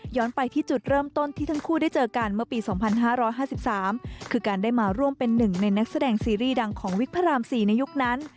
ไปที่จุดเริ่มต้นที่ทั้งคู่ได้เจอกันเมื่อปี๒๕๕๓คือการได้มาร่วมเป็นหนึ่งในนักแสดงซีรีส์ดังของวิกพระราม๔ในยุคนั้น